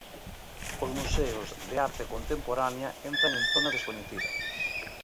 'Os museos de arte contemporánea entran en zona descoñecida'.